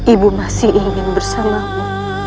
ibu masih ingin bersamamu